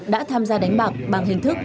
đã tham gia đánh bạc bằng hình thức